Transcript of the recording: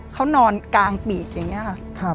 เขานอนกลางปีกอย่างนี้ค่ะ